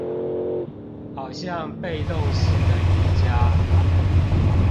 好像被動式的瑜珈